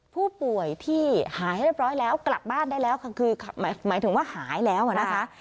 ผู้ป่วยที่หายเรียบร้อยแล้วกลับบ้านได้แล้วคือหมายถึงว่าหายแล้วนะคะ